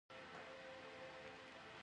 د پوندو اوچتولو ورزش کوی -